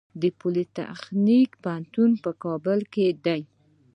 د پولي تخنیک پوهنتون په کابل کې دی